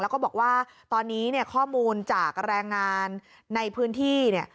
แล้วก็บอกว่าตอนนี้เนี่ยข้อมูลจากแรงงานในพื้นที่เนี่ย